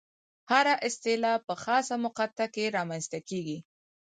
هره اصطلاح په خاصه مقطع کې رامنځته کېږي.